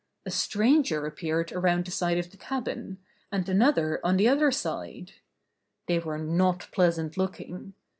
A stranger appeared around the side of the cabin, and another on the other side. They were not pleasant looking.